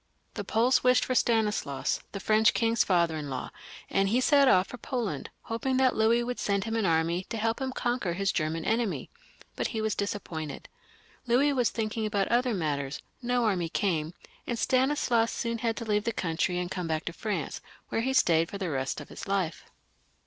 The Poles wished for Stanislaus, the French king's father in law, and he set off for Poland, hoping that Louis would send him an army to help him conquer his German enemy, but. he was disappointed. Louis was thinking about other matters ; no army came, and Stanis laus soon had to leave the country and come back to France, where he stayed for the rest of his life.